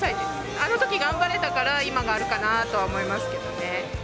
あのとき頑張れたから今があるかなと思いますけどね。